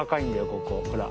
ここほら。